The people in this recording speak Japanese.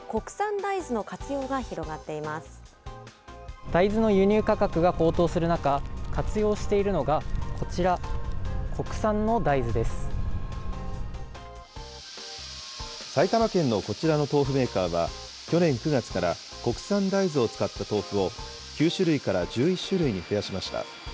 大豆の輸入価格が高騰する中、活用しているのが、こちら、国産埼玉県のこちらの豆腐メーカーは、去年９月から国産大豆を使った豆腐を、９種類から１１種類に増やしました。